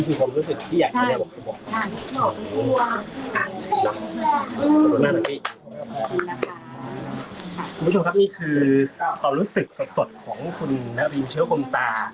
คุณผู้ชมครับนี่คือความรู้สึกสดของคุณนารินเชื้อคมตา